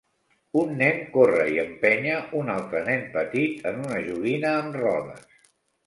Un nen corre i empenya un altre nen petit en una joguina amb rodes.